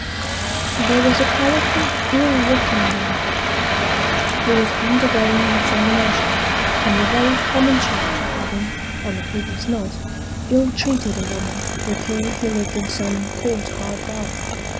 There was a powerful, ill looking young fellow at the bar, who was undergoing an examination, on the very common charge of having, on the previous night, ill treated a woman, with whom he lived in some court hard by.